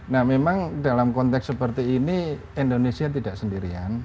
nah memang dalam konteks seperti ini indonesia tidak sendirian